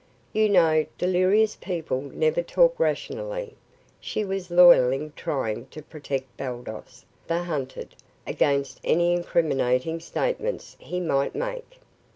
You know delirious people never talk rationally." She was loyally trying to protect Baldos, the hunted, against any incriminating statements he might make.